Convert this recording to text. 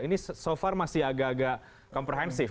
ini so far masih agak agak komprehensif